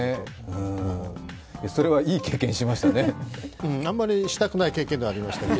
それは、いい経験しましたねあんまりしたくない経験ではありましたけど。